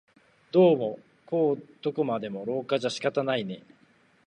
どうもこうどこまでも廊下じゃ仕方ないね